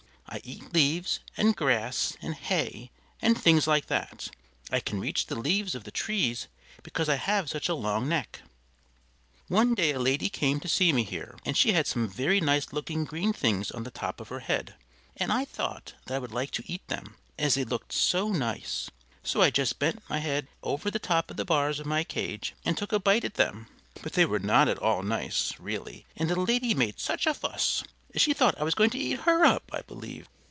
I eat leaves and grass and hay and things like that; I can reach the leaves of the trees because I have such a long neck. One day a lady came to see me here and she had some very nice looking green things on the top of her head, and I thought that I would like to eat them as they looked so nice; so I just bent my head over the top of the bars of my cage and took a bite at them. But they were not at all nice, really, and the lady made such a fuss! She thought I was going to eat her up, I believe.